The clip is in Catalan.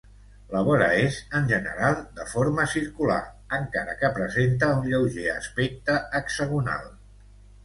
La vora és, en general, de forma circular, encara que presenta un lleuger aspecte hexagonal.